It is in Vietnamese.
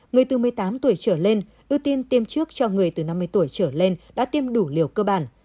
người từ một mươi tám tuổi trở lên ưu tiên tiêm trước cho người từ năm mươi tuổi trở lên đã tiêm đủ liều cơ bản